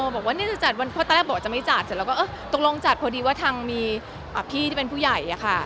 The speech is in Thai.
พอตะเละบอกว่าจะไม่จัดแต่เราก็ตรงลงจัดเพราะดีว่าทางมีพี่ที่เป็นผู้ใหญ่ค่ะ